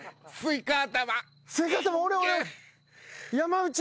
スイカ頭！